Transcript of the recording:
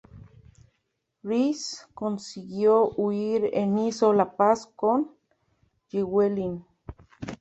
Rhys consiguió huir e hizo la paz con Llywelyn.